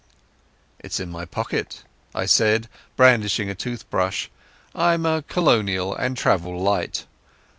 "It's in my pocket," I said, brandishing a toothbrush. "I'm a colonial and travel light."